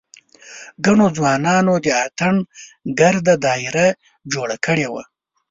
ګڼو ځوانانو د اتڼ ګرده داېره جوړه کړې وه.